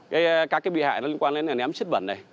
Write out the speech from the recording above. các cái bị hại nó liên quan đến ném chất bẩn này